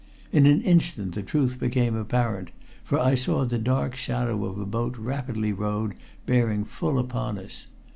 In an instant the truth became apparent, for I saw the dark shadow of a boat rapidly rowed, bearing full upon us.